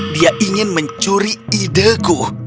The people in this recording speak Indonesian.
dia ingin mencuri ideku